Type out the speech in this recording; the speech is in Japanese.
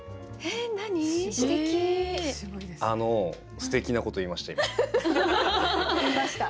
すてきなことを言いました今。